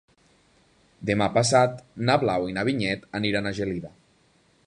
Demà passat na Blau i na Vinyet aniran a Gelida.